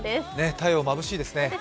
太陽まぶしいですね。